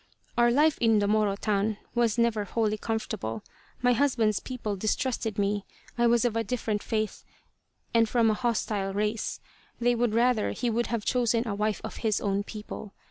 "Our life in the Moro town was never wholly comfortable. My husband's people distrusted me. I was of a different faith, and from a hostile race. They would rather he would have chosen a wife of his own people.